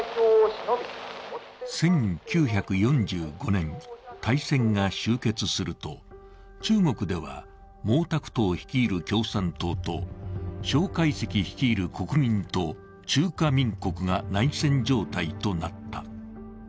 １９４５年、大戦が終結すると中国では毛沢東率いる共産党と蒋介石率いる国民党・中華民国が内戦状態となった。